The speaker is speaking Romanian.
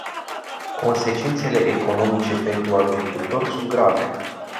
Consecințele economice pentru agricultori sunt grave.